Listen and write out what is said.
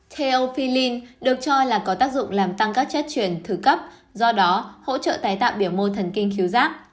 theophylline được cho là có tác dụng làm tăng các chất chuyển thứ cấp do đó hỗ trợ tái tạo biểu mô thần kinh khiếu giác